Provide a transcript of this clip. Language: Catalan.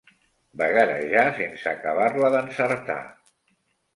Vagarejar sense acabar-la d'encertar.